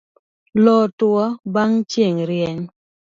Loo otuo bang' chieng' rieny